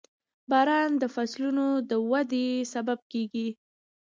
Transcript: • باران د فصلونو د ودې سبب کېږي.